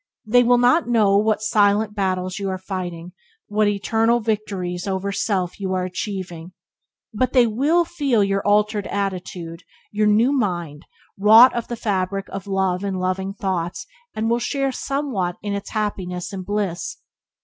They will not know what silent battles you are fighting, what eternal victories over self you are achieving, but, they will feel your altered attitude, your new mind, wrought of the fabric of love and loving thoughts, and will share somewhat in its happiness and bliss.